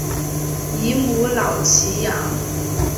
以母老乞养。